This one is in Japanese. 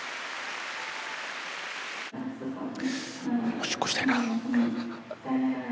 おしっこしたいな。